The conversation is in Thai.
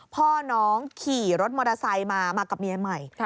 พ่อน้องขี่รถมอเตอร์ไซค์มามากับเมียใหม่